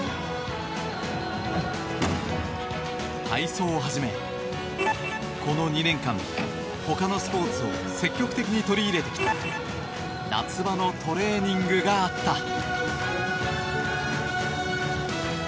体操を始め、この２年間他のスポーツを積極的に取り入れてきた夏場のトレーニングがあった。